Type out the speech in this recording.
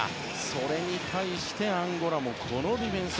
それに対して、アンゴラもこのディフェンス。